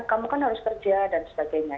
kamu kan harus kerja dan sebagainya